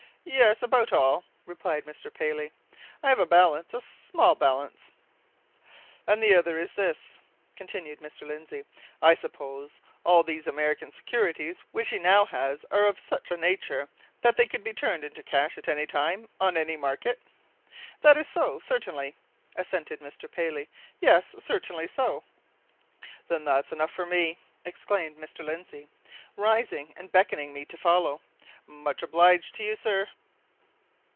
"Yes about all," replied Mr. Paley. "I have a balance a small balance." "And the other is this," continued Mr. Lindsey: "I suppose all these American securities which he now has are of such a nature that they could be turned into cash at any time, on any market?" "That is so certainly," assented Mr. Paley. "Yes, certainly so." "Then that's enough for me!" exclaimed Mr. Lindsey, rising and beckoning me to follow. "Much obliged to you, sir."